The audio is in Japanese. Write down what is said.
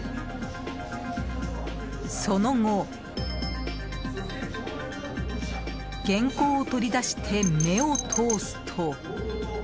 その後、原稿を取り出して目を通すと。